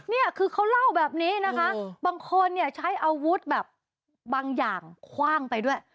นี่คือเขาเล่าแบบนี้นะคะบางคนเนี่ยใช้อาวุธแบบบางอย่างคว่างไปด้วย